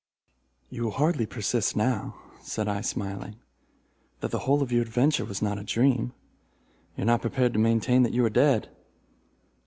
"You will hardly persist now," said I smiling, "that the whole of your adventure was not a dream. You are not prepared to maintain that you are dead?"